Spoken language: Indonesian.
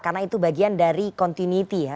karena itu bagian dari continuity ya